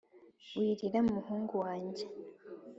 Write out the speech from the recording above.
wirira muhungu wa njye